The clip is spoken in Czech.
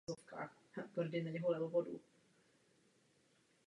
Maďarskou kosmologii je tvořena Vesmírným stromem protínající Zemi a Nebesa.